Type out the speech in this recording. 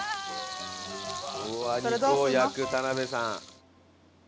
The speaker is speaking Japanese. うわっ肉を焼く田辺さん。